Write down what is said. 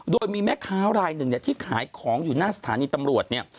โดยมีแม่ค้ารายหนึ่งเนี่ยที่ขายของอยู่หน้าสถานีตำรวจเนี่ย